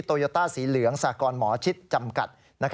โยต้าสีเหลืองสากรหมอชิดจำกัด